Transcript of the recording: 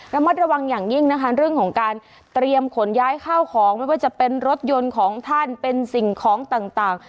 ระมัดระวังอย่างยิ่งนะคะเรื่องของการเตรียมขนย้ายข้าวของไม่ว่าจะเป็นรถยนต์ของท่านเป็นสิ่งของต่าง